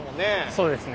そうですね。